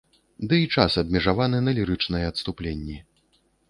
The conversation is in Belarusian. Ды і час абмежаваны на лірычныя адступленні.